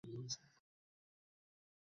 সরকারি ও বেসরকারী হাসপাতাল আছে।